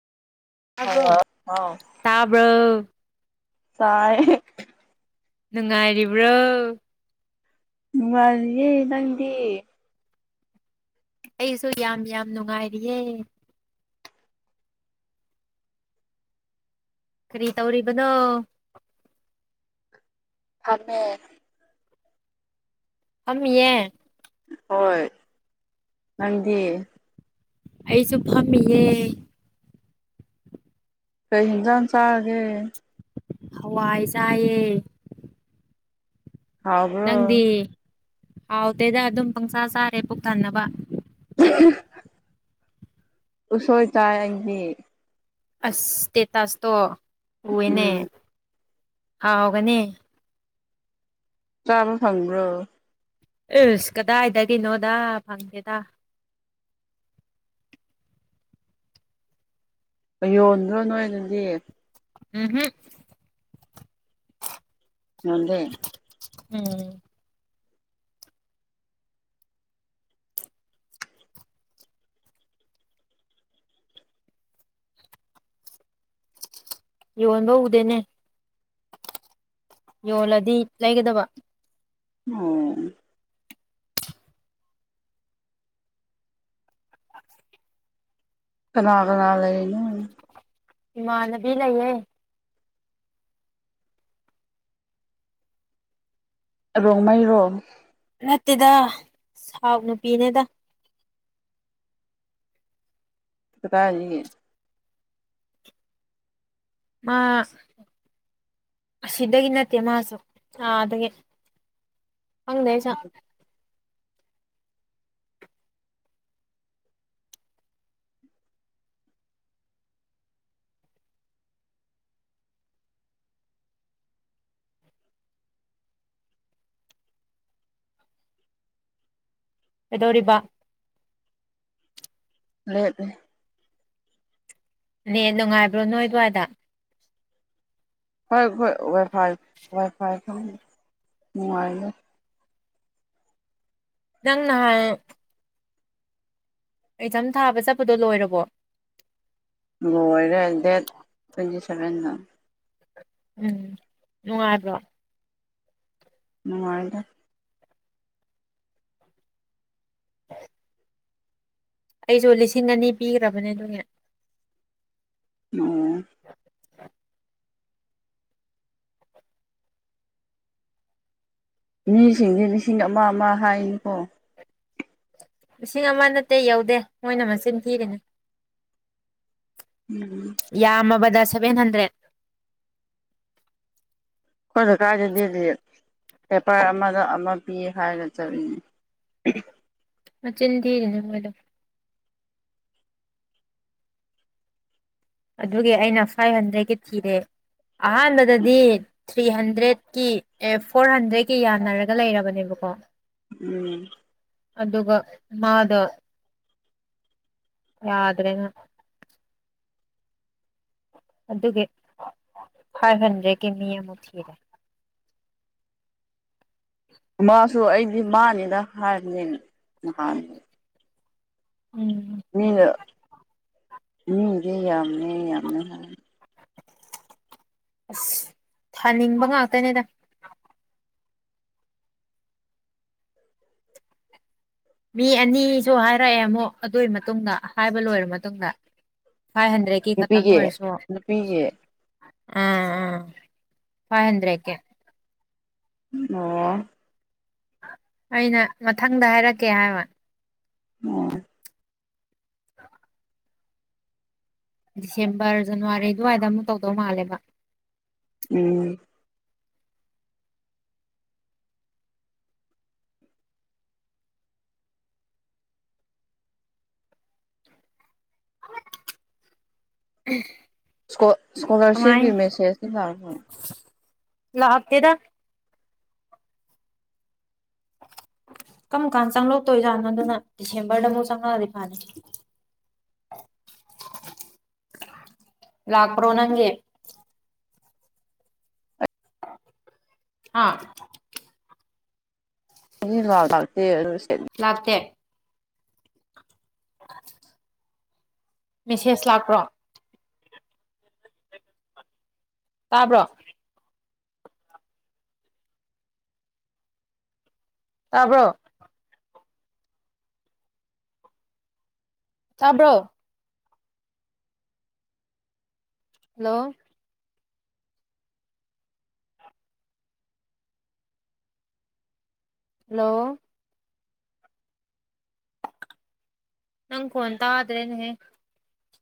hello ꯇꯥꯕ꯭ꯔꯣ ꯑꯥꯎ ꯇꯥꯕ꯭ꯔꯣ ꯇꯥꯏ ꯅꯨꯡꯉꯥꯏꯔꯤꯕ꯭ꯔꯣ ꯅꯨꯡꯉꯥꯏꯔꯤꯌꯦ ꯅꯪꯗꯤ ꯑꯩꯁꯨ ꯌꯥꯝ ꯌꯥꯝ ꯅꯨꯡꯉꯥꯏꯔꯤꯌꯦ ꯀꯔꯤ ꯇꯧꯔꯤꯕꯅꯣ ꯐꯝꯃ‌ꯦ ꯐꯝꯃꯤꯌꯦ ꯍꯣꯏ ꯅꯪꯗꯤ ꯑꯩꯁꯨ ꯐꯝꯃꯤꯌꯦ ꯀꯩ ꯍꯤꯅꯖꯡ ꯆꯔꯒꯦ ꯍꯋꯥꯏ ꯆꯥꯏꯌꯦ ꯍꯥꯎꯕ꯭ꯔꯣ ꯅꯪꯗꯤ ꯍꯥꯎꯗꯦꯗ ꯑꯗꯨꯝ ꯄꯪꯁꯥ ꯆꯥꯔꯦ ꯄꯨꯛ ꯊꯟꯅꯅꯕ [unintelligible] ꯎꯁꯣꯏ ꯆꯥꯏ ꯑꯩꯒꯤ ꯑꯁ ꯁ꯭ꯇꯦꯇꯥꯁꯇꯣ ꯎꯏꯅꯦ ꯎꯝ ꯍꯥꯎꯒꯅꯤ ꯆꯥꯕ ꯐꯪꯕ꯭ꯔꯣ ꯏꯁꯁ ꯀꯗꯥꯏꯗꯒꯤꯅꯣꯗ ꯐꯪꯗꯦꯗ ꯌꯣꯟꯗ꯭ꯔꯣ ꯅꯣꯏ ꯑꯗꯨꯗꯤ ꯎꯝ ꯍꯝ ꯃꯥꯟꯗꯦ ꯎꯝ ꯌꯣꯟꯕ ꯎꯗꯦꯅꯦ ꯌꯣꯜꯂꯗꯤ ꯂꯩꯒꯗꯕ ꯑꯣ ꯀꯅꯥ ꯀꯅꯥ ꯂꯩꯅꯣ ꯏꯃꯥꯅꯕꯤ ꯂꯩꯌꯦ ꯔꯣꯡꯃꯩꯔꯣ ꯅꯠꯇꯦꯗ ꯁꯥꯎꯠ ꯅꯨꯄꯤꯅꯦꯗ ꯀꯗꯥꯏꯗ ꯂꯩꯒ‌ꯦ ꯑꯥ ꯑꯁꯤꯗꯒꯤ ꯅꯠꯇꯦ ꯃꯥꯁꯨ ꯑꯥꯗꯒꯤ ꯈꯡꯗꯦ ꯑꯩꯁꯨ ꯀꯩꯗꯧꯔꯤꯕ ꯂꯦꯞꯄꯤ ꯅꯦꯠ ꯅꯨꯡꯉꯥꯏꯕ꯭ꯔꯣ ꯅꯣꯏ ꯑꯗꯨꯋꯥꯏꯗ ꯍꯣꯏ ꯍꯣꯏ ꯋꯥꯏ ꯐꯥꯏ ꯋꯥꯏ ꯐꯥꯏ ꯅꯨꯡꯉꯥꯏꯅꯤ ꯅꯪ ꯅꯍꯥꯟ ꯑꯦꯛꯖꯥꯝ ꯊꯥꯕ ꯆꯠꯄꯗꯣ ꯂꯣꯏꯔꯕꯣ ꯂꯣꯏꯔꯦ ꯗꯦꯠ ꯇ꯭ꯋꯦꯟꯇꯤ ꯁꯚꯦꯟꯅ ꯎꯝ ꯅꯨꯉꯥꯏꯕꯔꯣ ꯅꯨꯡꯉꯥꯏꯗ [inaudible] ꯑꯩꯖꯨ ꯂꯤꯁꯤꯡ ꯑꯅꯤ ꯄꯤꯈ꯭ꯔꯕꯅꯦ ꯑꯗꯨꯒꯤ ꯑꯣ ꯃꯤꯁꯤꯡꯗꯤ ꯂꯤꯁꯤꯡ ꯑꯃ ꯑꯃ ꯍꯥꯏꯅꯤꯀꯣ ꯂꯤꯁꯤꯡ ꯑꯃ ꯅꯠꯇꯦ ꯌꯧꯗꯦ ꯃꯣꯏꯅ ꯃꯆꯤꯟ ꯊꯤꯔꯤꯅꯤ ꯎꯝ ꯌꯥꯝꯃꯕꯗ ꯁꯦꯚꯦꯟ ꯍꯟꯗ꯭ꯔꯦꯠ ꯑꯩꯈꯣꯏ ꯂꯩꯀꯥꯏꯔꯗꯗꯤ ꯄꯦꯄꯔ ꯑꯃꯗ ꯑꯃ ꯄꯤ ꯍꯥꯏꯔꯒ ꯆꯠꯂꯤꯅꯤ ꯃꯆꯤꯟ ꯊꯤꯔꯤꯅꯤ ꯃꯣꯏꯗꯣ ꯑꯗꯨꯒꯤ ꯑꯩꯅ ꯐꯥꯏꯚ ꯍꯟꯗ꯭ꯔꯦꯗꯀꯤ ꯊꯤꯔꯦ ꯑꯍꯥꯟꯕꯗꯗꯤ ꯊ꯭ꯔꯤ ꯍꯟꯗ꯭ꯔꯦꯠꯀꯤ ꯑꯦ ꯐꯣꯔ ꯍꯟꯗ꯭ꯔꯦꯗꯀꯤ ꯌꯥꯅꯔꯒ ꯂꯩꯔꯕꯅꯦꯕꯀꯣ ꯎꯝ ꯑꯗꯨꯒ ꯃꯥꯗꯣ ꯌꯥꯗ꯭ꯔꯦꯅ ꯑꯗꯨꯒꯤ ꯐꯥꯏꯚ ꯍꯟꯗ꯭ꯔꯦꯠꯀꯤ ꯃꯤ ꯑꯃꯨꯛ ꯊꯤꯔꯦ ꯃꯥꯁꯨ ꯑꯩꯗꯤ ꯃꯥꯅꯤꯗ ꯍꯥꯏꯕꯅꯦ ꯅꯍꯥꯟ ꯎꯝ ꯃꯤꯅ ꯃꯤꯗꯤ ꯌꯥꯝꯃꯦ ꯌꯥꯝꯃꯦ ꯍꯥꯏ ꯑꯁ ꯊꯥꯅꯤꯡꯕ ꯉꯥꯛꯇꯅꯦꯗ ꯃꯤ ꯑꯅꯤꯁꯨ ꯍꯥꯏꯔꯛꯑꯦ ꯑꯃꯨꯛ ꯑꯗꯨꯏ ꯃꯇꯨꯡꯗ ꯍꯥꯏꯕ ꯂꯣꯏꯔ ꯃꯇꯨꯡꯗ ꯐꯥꯏꯚ ꯍꯟꯗ꯭ꯔꯦꯠ ꯀꯦ ꯈꯛꯇꯪ ꯅꯨꯄꯤꯒꯤ ꯑꯣꯏꯔꯁꯨ ꯑꯥ ꯅꯨꯄꯤꯒꯤ ꯑꯥ ꯐꯥꯏꯚ ꯍꯟꯗ꯭ꯔꯦꯠꯀꯦ ꯑꯣ ꯑꯩꯅ ꯃꯊꯪꯗ ꯍꯥꯏꯔꯛꯀꯦ ꯍꯥꯏꯕ ꯑꯣ ꯗꯤꯁꯦꯝꯕꯔ ꯖꯅꯋꯥꯔꯤ ꯑꯗꯨꯋꯥꯏꯗ ꯑꯃꯨꯛ ꯇꯧꯗꯧ ꯃꯥꯜꯂꯦꯕ ꯎꯝ [inaudible] ꯁꯀꯣ ꯁ꯭ꯀꯣꯂꯔꯁꯤꯞꯀꯤ ꯀꯃꯥꯏꯅ ꯃꯦꯁꯦꯁꯇꯤ ꯂꯥꯛꯄ꯭ꯔꯣ ꯂꯥꯛꯇꯦꯗ ꯀꯔꯝ ꯀꯥꯟꯗ ꯆꯪꯪꯂꯛꯇꯣꯏꯖꯥꯠꯅꯣ ꯑꯗꯨꯅ ꯗꯤꯁꯦꯝꯕꯔꯗꯃꯨꯛ ꯆꯪꯉꯛꯑꯗꯤ ꯐꯅꯤ ꯂꯥꯛꯄꯔꯣ ꯅꯪꯒꯤ ꯍꯥ ꯑꯩꯒꯤ ꯂꯥꯛꯇꯦ ꯑꯗꯨ ꯁꯦꯠ ꯂꯥꯛꯇꯦ [unintelligible] ꯃꯦꯁꯦꯖ ꯂꯥꯛꯄ꯭ꯔꯣ ꯇꯥꯕ꯭ꯔꯣ ꯇꯥꯕ꯭ꯔꯣ ꯇꯥꯕ꯭ꯔꯣ ꯍꯜꯂꯣ ꯍꯜꯂꯣ ꯅꯪ ꯈꯣꯜ ꯇꯥꯗ꯭ꯔꯦꯅꯦ